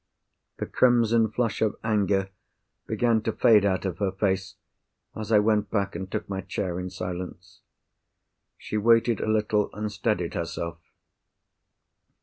The crimson flush of anger began to fade out of her face, as I went back, and took my chair in silence. She waited a little, and steadied herself.